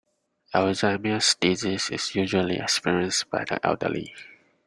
Alzheimer’s disease is usually experienced by the elderly.